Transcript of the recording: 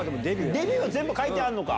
デビューが全部書いてあるのか。